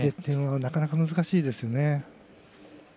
なかなか難しいですよね。